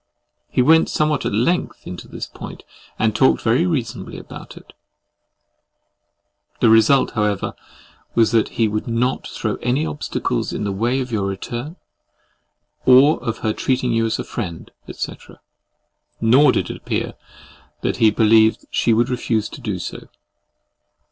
He went somewhat at length into this point, and talked very reasonably about it; the result, however, was that he would not throw any obstacles in the way of your return, or of her treating you as a friend, &c., nor did it appear that he believed she would refuse to do so.